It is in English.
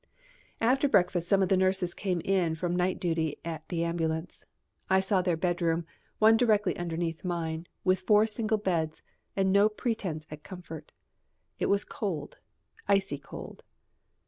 After breakfast some of the nurses came in from night duty at the ambulance. I saw their bedroom, one directly underneath mine, with four single beds and no pretence at comfort. It was cold, icy cold.